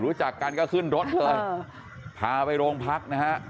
รู้จักกันก็ขึ้นรถเลยพาไปโรงพักนะฮะ